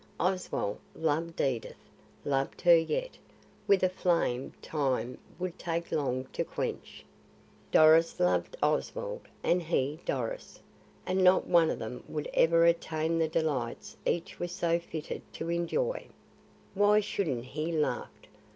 Oswald loved Edith, loved her yet, with a flame time would take long to quench. Doris loved Oswald and he Doris; and not one of them would ever attain the delights each was so fitted to enjoy. Why shouldn't he laugh?